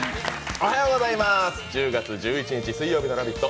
おはようございます、１０月１１日水曜日の「ラヴィット！」